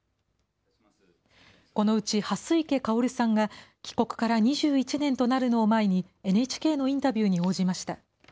このうち蓮池薫さんが、帰国から２１年となるのを前に、ＮＨＫのインタビューに応じました。